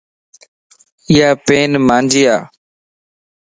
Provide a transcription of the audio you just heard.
ايا پين مانجي ا